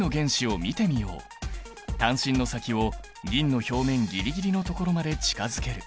探針の先を銀の表面ギリギリのところまで近づける。